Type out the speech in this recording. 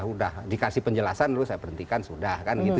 udah dikasih penjelasan dulu saya berhentikan sudah kan gitu